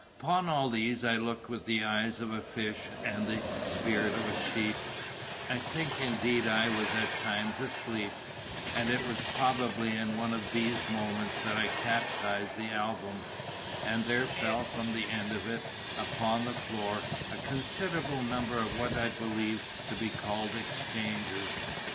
Upon all these I looked with the eyes of a fish and the spirit of a sheep; I think indeed I was at times asleep; and it was probably in one of these moments that I capsized the album, and there fell from the end of it, upon the floor, a considerable number of what I believe to be called "exchanges."